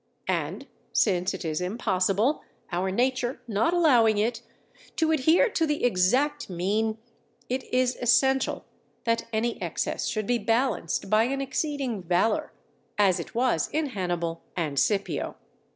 And since it is impossible, our nature not allowing it, to adhere to the exact mean, it is essential that any excess should be balanced by an exceeding valour, as it was in Hannibal and Scipio.